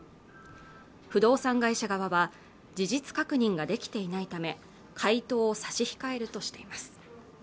不動産会社側は事実確認ができていないため回答を差し控えるとしています